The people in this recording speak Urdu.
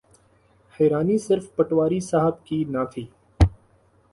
حیرانی صرف پٹواری صاحب کی نہ تھی۔